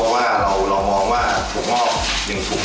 เพราะว่าเรามองว่าถวงงอกหนึ่งถุง